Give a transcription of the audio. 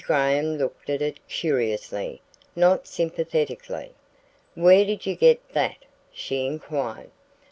Graham looked at it curiously, not sympathetically. "Where did you get that?" she inquired.